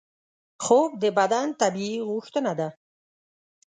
خوب د بدن طبیعي غوښتنه ده